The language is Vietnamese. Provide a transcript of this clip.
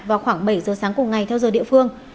vào khoảng bảy giờ sáng cùng ngày theo giờ địa phương